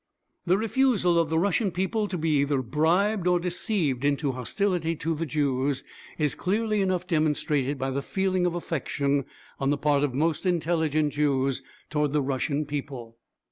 '" The refusal of the Russian people to be either bribed or deceived into hostility to the Jews is clearly enough demonstrated by the feeling of affection on the part of most intelligent Jews towards the Russian people.